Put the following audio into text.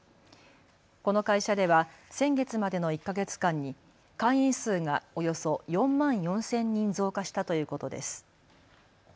この会社では先月までの１か月間に会員数がおよそ４万４０００人増加したということです。